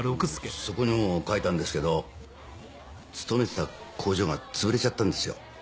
そこにも書いたんですけど勤めてた工場が潰れちゃったんですよ。